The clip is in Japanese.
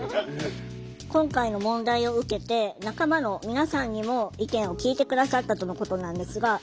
今回の問題を受けて仲間の皆さんにも意見を聞いて下さったとのことなんですが。